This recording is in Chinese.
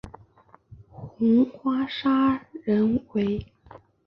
红花砂仁为姜科豆蔻属下的一个种。